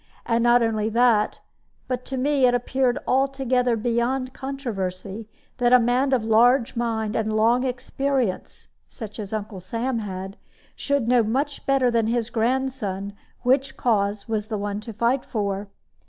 And not only that, but to me it appeared altogether beyond controversy that a man of large mind and long experience (such as Uncle Sam had) should know much better than his grandson which cause was the one to fight for.